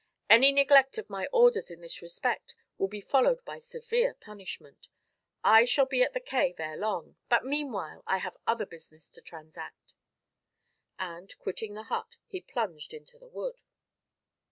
Any neglect of my orders in this respect will be followed by severe punishment. I shall be at the cave ere long; but, meanwhile, I have other business to transact." And quitting the hut, he plunged into the wood.